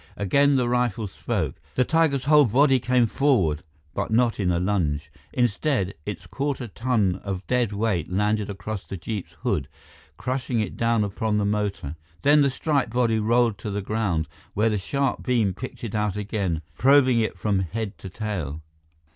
Again, the rifle spoke. The tiger's whole body came forward, but not in a lunge. Instead, its quarter ton of dead weight landed across the jeep's hood, crushing it down upon the motor. Then the striped body rolled to the ground, where the sharp beam picked it out again, probing it from head to tail.